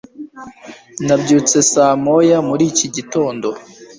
Nabyutse saa moya muri iki gitondo